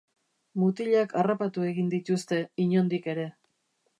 Mutilak harrapatu egin dituzte, inondik ere.